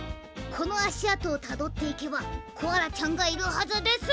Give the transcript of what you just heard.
このあしあとをたどっていけばコアラちゃんがいるはずです！